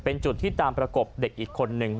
เป็นจุดที่ตามประกบเด็กอีกคนนึง